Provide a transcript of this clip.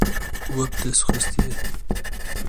We bi dest xistiye.